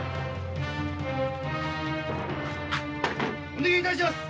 お願い致します。